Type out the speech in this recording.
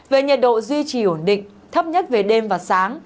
về nhiệt độ duy trì ổn định thấp nhất về đêm và sáng